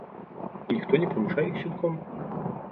І ніхто не прымушае іх сілком.